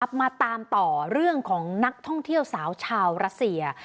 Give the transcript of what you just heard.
มาตามต่อเรื่องของนักท่องเที่ยวสาวชาวรัสเซีย